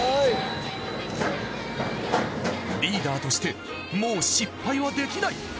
リーダーとしてもう失敗はできない。